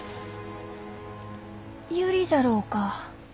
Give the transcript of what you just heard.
ユリじゃろうか？